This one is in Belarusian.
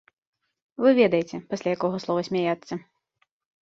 Вы ведаеце, пасля якога слова смяяцца.